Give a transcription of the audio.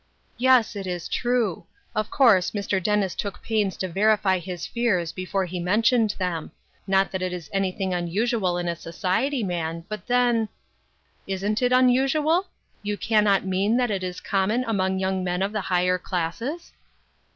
"Yes, it is true. Of course Mr. Dennis took pains to verify his fears before he mentioned them ; not that it is anything unusual in a society man, but then "—" Isn't it unusual ? You cannot mean that it is common among young men of the higher classes